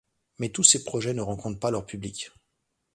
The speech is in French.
Mais tous ces projets ne rencontrent pas leur public.